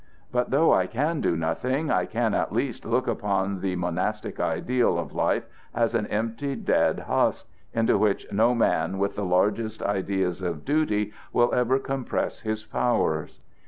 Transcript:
But though I can do nothing, I can at least look upon the monastic ideal of life as an empty, dead, husk, into which no man with the largest ideas of duty will ever compress his powers.